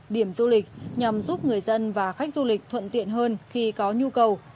điểm du lịch nhằm giúp người dân và khách du lịch thuận tiện hơn khi có nhu cầu